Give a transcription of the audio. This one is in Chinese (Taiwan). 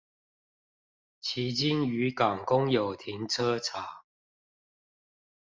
旗津漁港公有停車場